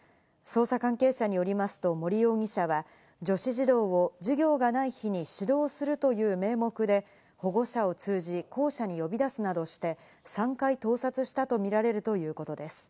捜査関係者によりますと、森容疑者は女子児童を授業がない日に指導するという名目で保護者を通じ校舎に呼び出すなどして、３回盗撮したとみられるということです。